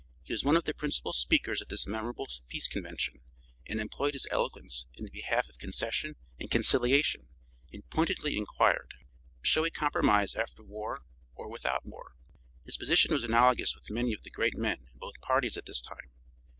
He was one of the principal speakers at this memorable peace convention and employed his eloquence in behalf of concession and conciliation, and pointedly inquired: "Shall we compromise after war or without war?" His position was analogous with many of the great men in both parties at this time.